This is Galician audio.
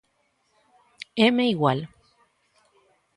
Éme igual.